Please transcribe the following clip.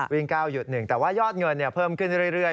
วิ่ง๙หยุด๑แต่ว่ายอดเงินเพิ่มขึ้นเรื่อย